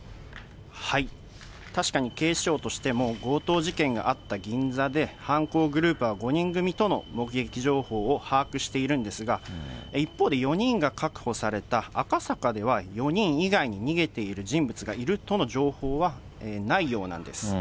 確かに警視庁としても、強盗事件があった銀座で、犯行グループは５人組との目撃情報を把握しているんですが、一方で４人が確保された赤坂では４人以外に逃げている人物がいるとの情報はないようなんです。